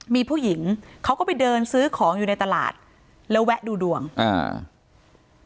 มีผู้หญิงเขาก็ไปเดินซื้อของอยู่ในตลาดแล้วแวะดูดวงอ่า